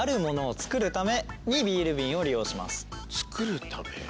作るため？